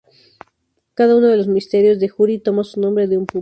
Cada uno de los misterios de Jury toma su nombre de un pub.